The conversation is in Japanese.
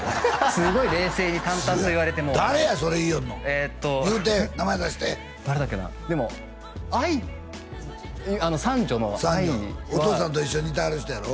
すごい冷静に淡々と言われてもう誰やそれ言いよるのえっと言うて名前出して誰だっけなでもあい三女のあいは三女お父さんと一緒にいてはる人やろ？